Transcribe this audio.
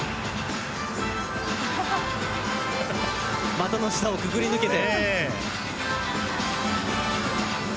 股の下を潜り抜けて。